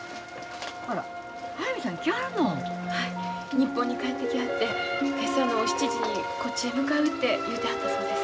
日本に帰ってきはって今朝の７時にこっちへ向かうて言うてはったそうです。